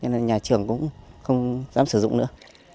không dám sử dụng nữa